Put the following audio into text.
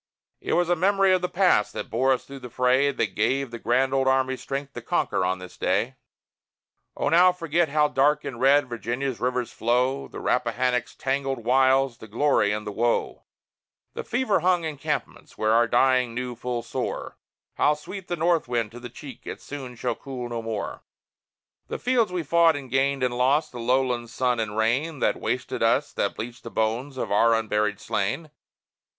It was the memory of the past that bore us through the fray, That gave the grand old Army strength to conquer on this day! O now forget how dark and red Virginia's rivers flow, The Rappahannock's tangled wilds, the glory and the woe; The fever hung encampments, where our dying knew full sore How sweet the north wind to the cheek it soon shall cool no more; The fields we fought, and gained, and lost; the lowland sun and rain That wasted us, that bleached the bones of our unburied slain!